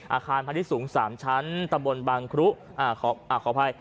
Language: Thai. อาคารพาทิสูงสามชั้นตะบนบางครุอ่าขออภัย